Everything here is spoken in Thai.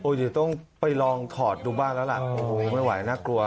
เดี๋ยวต้องไปลองถอดดูบ้างแล้วล่ะโอ้โหไม่ไหวน่ากลัว